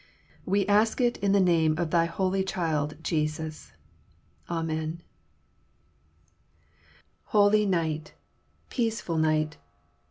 We ask it in the name of Thy Holy Child Jesus. Amen. "Holy night! peaceful night!